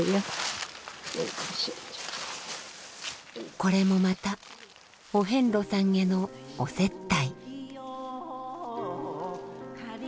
これもまたお遍路さんへのお接待。